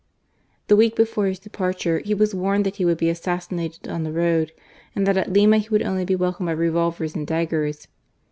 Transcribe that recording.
The week he^m his departure he was warned that he would be assassinated on the road, and that at Lima lie would only be welcomed by revolvers aiid dagg^irs.